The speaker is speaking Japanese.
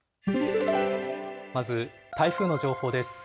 まず台風の情報です。